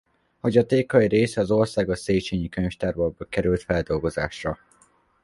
Hagyatéka egy része az Országos Széchényi Könyvtárba került feldolgozásra.